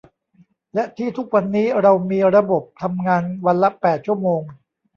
และที่ทุกวันนี้เรามีระบบทำงานวันละแปดชั่วโมง